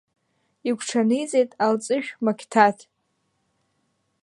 Игәиҽаниҵеит Алҵышә Мақьҭаҭ.